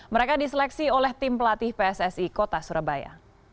mereka diseleksi oleh tim pelatih pssi kota surabaya